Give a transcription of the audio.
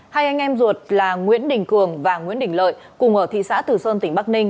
hai anh em ruột là nguyễn đình cường và nguyễn đình lợi cùng ở thị xã tử sơn tỉnh bắc ninh